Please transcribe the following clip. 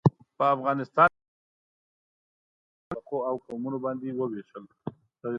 په افغانستان کې کورنیو شخړو ټول خلک په طبقو او قومونو باندې و وېشل.